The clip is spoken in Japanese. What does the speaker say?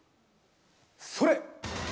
それ！